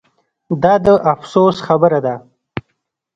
دا د افسوس خبره ده